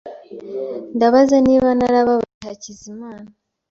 Ndabaza niba narababaje Hakizimana .